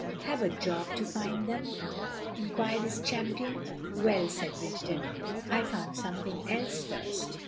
"Have a job to find them?" inquired his champion. "Well," said Rigden, "I found something else first."